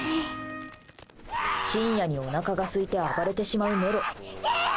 深夜におなかがすいて暴れてしまうメロ。